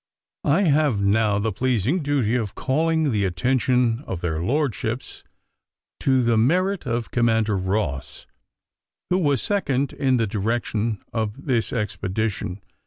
I have now the pleasing duty of calling the attention of their lordships to the merit of Commander Ross, who was second in the direction of this expedition.